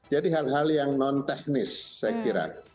jadi hal hal yang non teknis saya kira